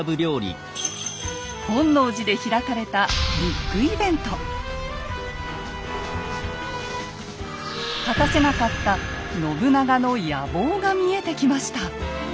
本能寺で開かれた果たせなかった信長の野望が見えてきました。